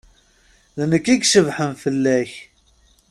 D nekk i icebḥen fell-ak.